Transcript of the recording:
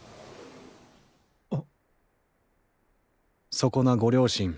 そこなご両親。